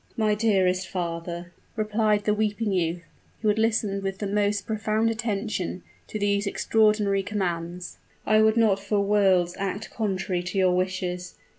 "My dearest father," replied the weeping youth, who had listened with the most profound attention, to these extraordinary commands; "I would not for worlds act contrary to your wishes.